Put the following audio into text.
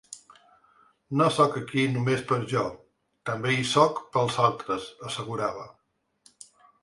No sóc aquí només per jo, també hi sóc pels altres, assegurava.